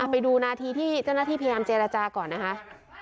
ไปดูนาทีที่เจ้าหน้าที่พยายามเจรจาก่อนนะคะ